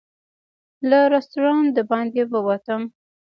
له رسټورانټ د باندې ووتم.